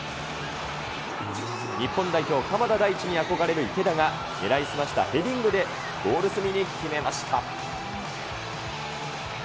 日本代表、鎌田大地に憧れる池田が狙いすましたヘディングでゴール隅に決めました。